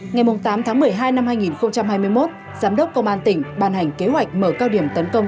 ngày tám tháng một mươi hai năm hai nghìn hai mươi một giám đốc công an tỉnh ban hành kế hoạch mở cao điểm tấn công